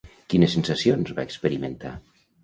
Quines sensacions va experimentar?